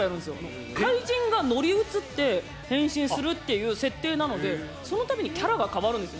変身するっていう設定なのでそのたびにキャラが変わるんです。